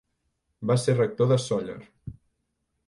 Va ser rector de Sóller.